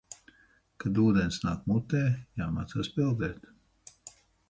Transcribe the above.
Kad ūdens nāk mutē, jāmācās peldēt.